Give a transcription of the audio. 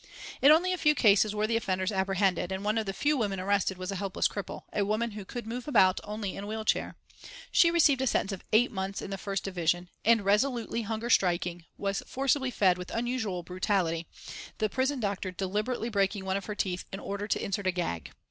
In only a few cases were the offenders apprehended, and one of the few women arrested was a helpless cripple, a woman who could move about only in a wheeled chair. She received a sentence of eight months in the first division, and, resolutely hunger striking, was forcibly fed with unusual brutality, the prison doctor deliberately breaking one of her teeth in order to insert a gag.